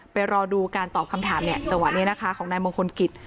รอดูการตอบคำถามจังหวะนี้นะคะของนายมงคลกิจ